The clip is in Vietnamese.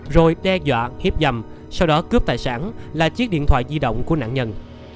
rồi đe dọa hiếp dầm sau đó cướp tài sản là chiếc điện thoại di động của nạn nhân